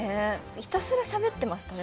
ひたすらしゃべってましたね。